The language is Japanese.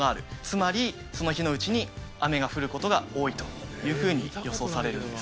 つまりその日のうちに雨が降ることが多いというふうに予想されるのですね。